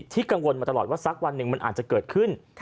ที่กังวลมาตลอดว่าสักวันหนึ่งมันอาจจะเกิดขึ้น